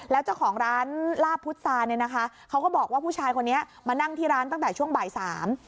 แล้วเจ้าของร้านลาบพุษาเนี่ยนะคะเขาก็บอกว่าผู้ชายคนนี้มานั่งที่ร้านตั้งแต่ช่วงบ่ายสาม